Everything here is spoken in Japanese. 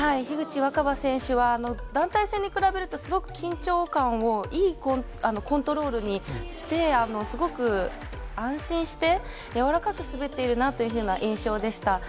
樋口新葉選手は、団体戦に比べるとすごく緊張感をいいコントロールにしてすごく安心してやわらかく滑っているなという印象でした。